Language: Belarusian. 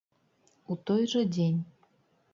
У той жа дзень.